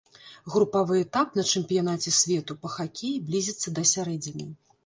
Групавы этап на чэмпіянаце свету па хакеі блізіцца да сярэдзіны.